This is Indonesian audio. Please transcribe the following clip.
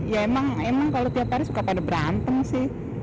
ya emang emang kalau tiap hari suka pada berantem sih